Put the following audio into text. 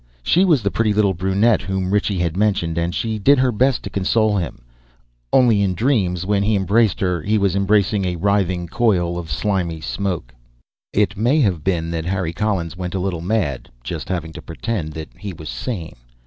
She was the pretty little brunette whom Ritchie had mentioned, and she did her best to console him only in dreams, when he embraced her, he was embracing a writhing coil of slimy smoke. It may have been that Harry Collins went a little mad, just having to pretend that he was sane.